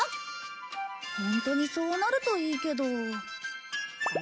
ホントにそうなるといいけど。